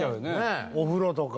お風呂とか。